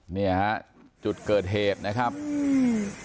เนี่ยฮะจุดเกิดเหตุนะครับอืม